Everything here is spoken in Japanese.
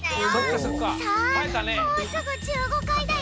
さあもうすぐ１５かいだよ。